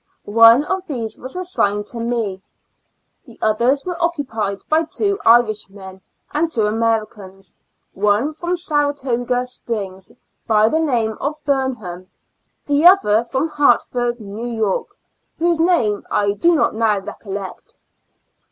One of these was assigned to me ; the others were occupied by two Irishmen, and two Americans — one from Saratoga Springs, by the name of Burnham, the other from Hart ford, N. Y., whose name I do not now re collect.